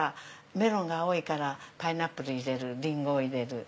メロンが青いからパイナップルを入れるリンゴを入れる。